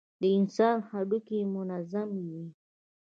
د انسان هډوکى منظم وي.